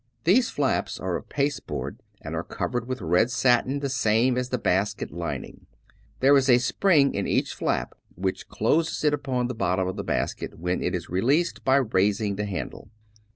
These flaps are of pasteboard, and are covered with red satin the same as the basket lining. There is a spring in each flap which 270 David P. Abbott closes it upon the bottom of the basket when it is released by raising the handle.